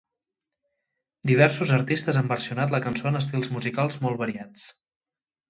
Diversos artistes han versionat la cançó en estils musicals molt variats.